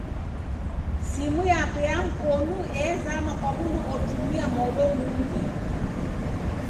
Simu yape ya mkonu ezama kwa w'undu ghotumia modo mungi.